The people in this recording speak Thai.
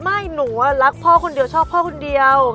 หนูรักพ่อคนเดียวชอบพ่อคนเดียว